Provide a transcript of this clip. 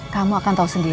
kamu akan tahu sendiri ayo